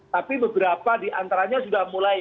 tapi beberapa diantaranya sudah mulai